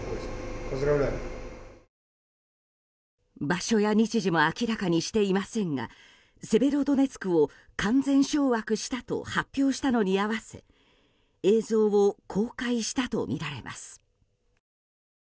場所や日時も明らかにしていませんがセベロドネツクを完全掌握したと発表したのに合わせ映像を公開したとみられます。